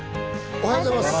おはようございます。